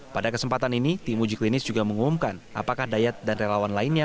pada kesempatan ini tim uji klinis juga mengumumkan apakah dayat dan relawan lainnya